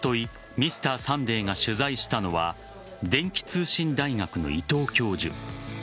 「Ｍｒ．サンデー」が取材したのは電気通信大学の伊藤教授。